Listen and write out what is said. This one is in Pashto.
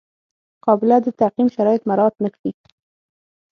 قابله د تعقیم شرایط مراعات نه کړي.